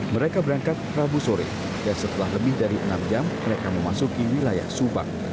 mereka berangkat rabu sore dan setelah lebih dari enam jam mereka memasuki wilayah subang